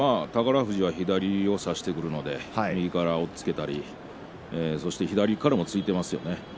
富士は左を差してくるので右から押っつけたり差して左からも突いていますよね。